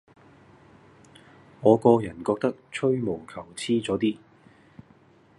我個人覺得吹毛求疵左啲